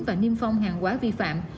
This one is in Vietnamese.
và niêm phong hàng quá vi phạm